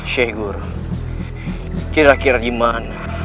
syeh guru kira kira di mana